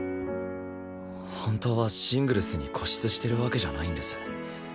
本当はシングルスに固執してるわけじゃないんです。